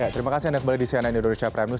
terima kasih anda kembali di cnn indonesia prime news